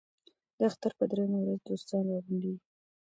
د اختر په درېیمه ورځ دوستان را غونډېږي.